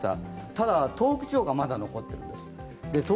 ただ東北地方がまだ残っているんです。